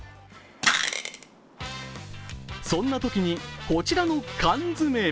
そんなときにこちらの缶詰。